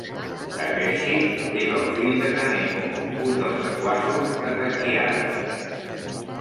Takeshi és el fill de Kaneko, un dels sequaços de Kakihara.